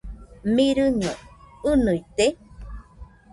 Mirɨño ɨnɨite?